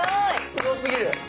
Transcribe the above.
すごすぎる！